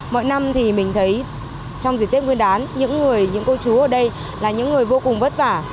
mọi năm thì mình thấy trong dịp tết nguyên đán những người những cô chú ở đây là những người vô cùng vất vả